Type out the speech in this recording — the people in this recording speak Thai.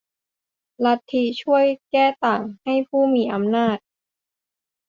ลัทธิช่วยแก้ต่างให้ผู้มีอำนาจ